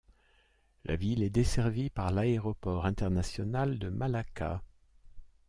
La ville est desservie par l'aéroport international de Malacca.